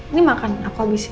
ini makan aku habisin